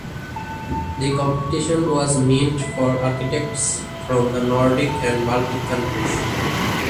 The competition was meant for architects from the Nordic and Baltic countries.